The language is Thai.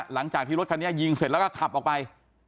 หลังจากที่รถคันนี้ยิงเสร็จแล้วก็ขับออกไป